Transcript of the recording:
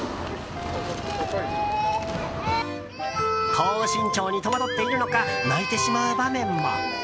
高身長に戸惑っているのか泣いてしまう場面も。